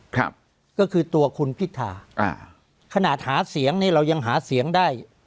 ก็คือตัวคุณวิทาขนาดหาเสียงเนี่ยเรายังหาเสียงได้